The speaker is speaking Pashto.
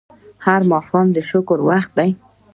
هر ماښام د شکر وخت دی